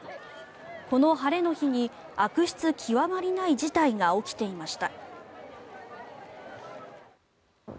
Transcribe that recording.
この晴れの日に悪質極まりない事態が起きていました。